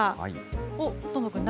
おっ、どーもくん、何？